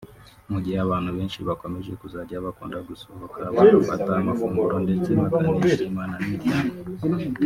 Mugihe abantu benshi bakomeje kuzajya bakunda gusohoka bagafata amafunguro ndetse bakanishimana n’imiryango